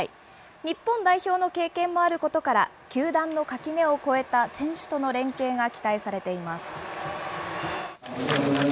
日本代表の経験もあることから、球団の垣根を越えた選手との連携が期待されています。